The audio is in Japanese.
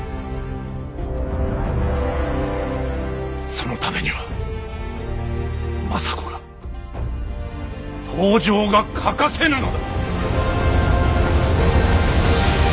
そのためには政子が北条が欠かせぬのだ。